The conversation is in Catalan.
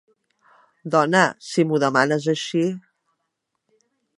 Dona, si m'ho demanes així...